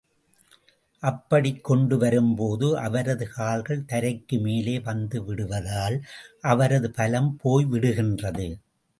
அப்படி கொண்டு வரும்போது, அவரது கால்கள் தரைக்கு மேலே வந்து விடுவதால், அவரது பலம் போய்விடுகின்றது.